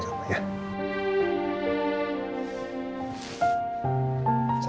sampai ketemu ya